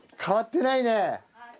変わってないね。